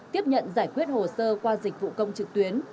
tiếp nhận giải quyết hồ sơ qua dịch vụ công trực tuyến